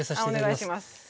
お願いします。